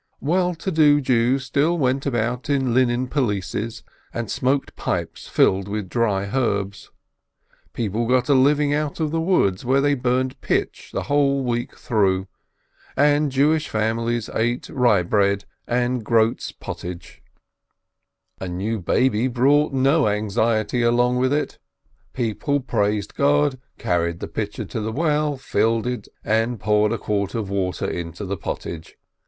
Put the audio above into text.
Well to do Jews still went about in linen pelisses, and smoked pipes filled with dry herbs. People got a living out of the woods, where they burnt pitch the whole week through, and Jewish families ate rye bread and groats pottage. THE LAST OF THEM 567 A new baby brought no anxiety along with it. People praised God, carried the pitcher to the well, filled it, and poured a quart of water into the pottage.